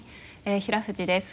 平藤です。